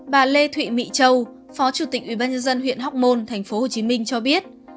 bà lê thụy mỹ châu phó chủ tịch ubnd huyện hóc môn tp hcm cho biết